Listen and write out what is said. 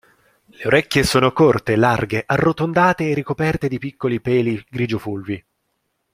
Le orecchie sono corte, larghe, arrotondate e ricoperte di piccoli peli grigio-fulvi.